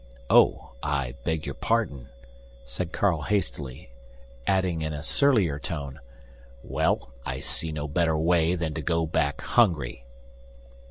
"Oh, I beg your pardon," said Carl hastily, adding in a surlier tone, "Well, I see no better way than to go back hungry."